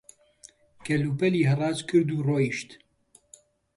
کەل-پەلی هەڕاج کرد و ڕۆیشت